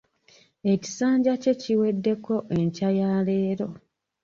Ekisanja kye kiweddeko enkya ya leero.